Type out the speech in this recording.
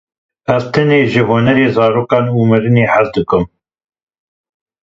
Ez tenê ji hunerê, zarokan û mirinê hez dikim.